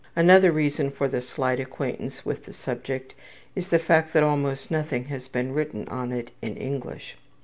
Another reason for the slight acquaintance with the subject is the fact that almost nothing has been written on it in English.